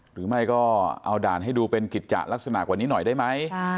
หรือไม่ก็เอาด่านให้ดูเป็นกิจจะลักษณะกว่านี้หน่อยได้ไหม